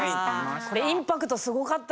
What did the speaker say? これインパクトすごかったですよね。